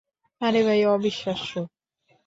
আরে ভাই অবিশ্বাস্য।